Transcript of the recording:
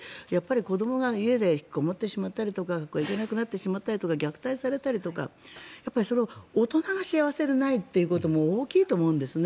子どもが家で引きこもってしまったり学校に行けなくなってしまったり虐待されたりとかそれは大人が幸せでないということも大きいと思うんです。